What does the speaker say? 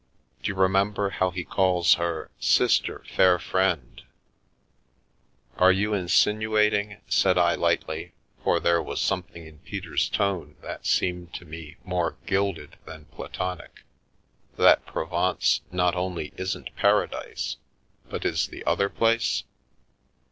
D'you remember how he calls her ' Sister, fair friend '?"" Are you insinuating," said I lightly, for there was something in Peter's tone that seemed to me more gilded than platonic, " that Provence not only isn't Paradise, but is the other place?"